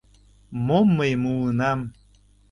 — Мом мый муынам!